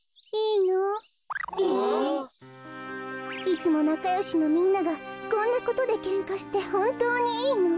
いつもなかよしのみんながこんなことでけんかしてほんとうにいいの？